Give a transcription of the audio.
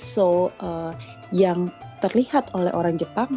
so yang terlihat oleh orang jepang